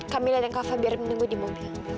kak mila dan kak fadil biar menunggu di mobil